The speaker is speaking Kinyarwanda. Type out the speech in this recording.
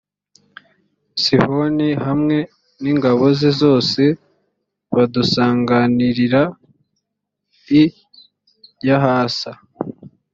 sihoni hamwe n’ingabo ze zose badusanganirira i yahasa